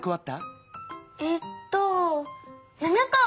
えっと７こ！